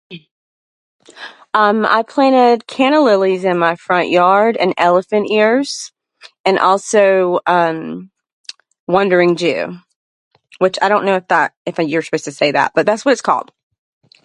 Um, I planted canna lilies in my front yard and elephant ears. And also, um, wandering Jew. Which, I dunno if that- if you're supposed to say that, but that's what it's called!